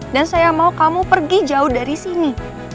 dan saya mau kamu pergi jauh dari sini